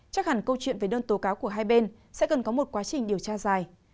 chắc hẳn câu chuyện về đơn tố cáo của hai bên sẽ cần có một quá trình điều tra dài